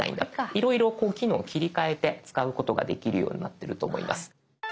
いろいろこう機能を切り替えて使うことができるようになってると思います。